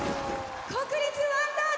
国立ワンダー